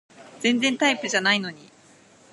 全然タイプじゃないのに